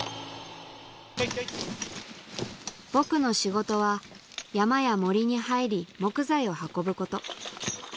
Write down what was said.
僕の仕事は山や森に入り木材を運ぶこと